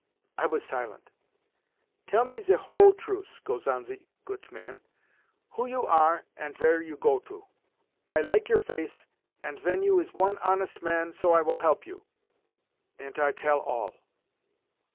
I was silent. 'Tell me ze whole truse,' goes on ze goot man—'who you are, ant vere you go to? I like your face, ant ven you is one honest man, so I will help you.' Ant I tell all.